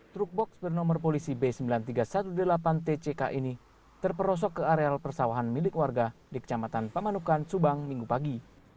truk box bernomor polisi b sembilan ribu tiga ratus delapan belas tck ini terperosok ke areal persawahan milik warga di kecamatan pamanukan subang minggu pagi